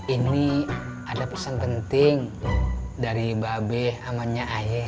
ini ada pesan penting dari mba be amannya ayah